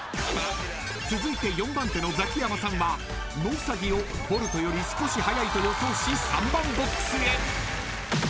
［続いて４番手のザキヤマさんはノウサギをボルトより少し速いと予想し３番ボックスへ］